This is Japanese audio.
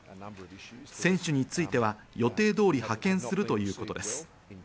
選手については予定通り派遣するということです。